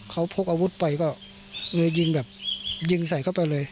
เขาพกอาวุธไปก็เลยยิงแบบยิงใส่เข้าไปเลย